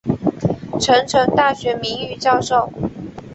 成城大学名誉教授。